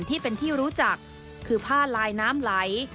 ที่เป็นที่รู้จักคือผ้าลายน้ำไหล